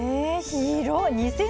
広い！